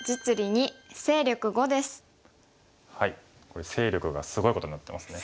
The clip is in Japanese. これ勢力がすごいことになってますね。